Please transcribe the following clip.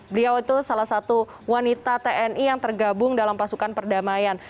beliau itu salah satu wanita tni yang tergabung dalam pasukan perdamaian